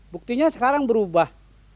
buktinya sekarang berubah